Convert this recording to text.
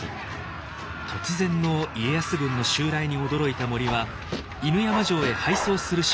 突然の家康軍の襲来に驚いた森は犬山城へ敗走するしかありませんでした。